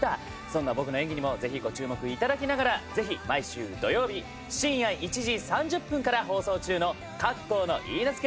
そんな僕の演技にもぜひご注目頂きながらぜひ毎週土曜日深夜１時３０分から放送中の『カッコウの許嫁』をご覧ください。